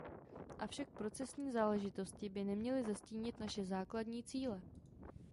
Avšak procesní záležitosti by neměly zastínit naše základní cíle.